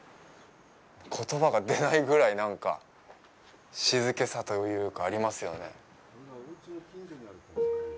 言葉が出ないぐらい、なんか、静けさというか、ありますよね。